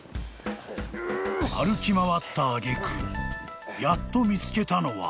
［歩き回った揚げ句やっと見つけたのは］